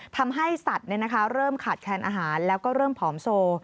ทำให้สัตว์เริ่มขาดแคลนอาหารแล้วก็เริ่มผอมโซ